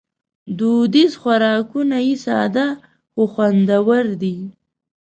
دودیز خوراکونه یې ساده خو خوندور دي.